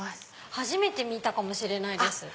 初めて見たかもしれないです